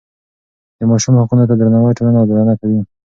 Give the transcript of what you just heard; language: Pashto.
د ماشوم حقونو ته درناوی ټولنه عادلانه کوي.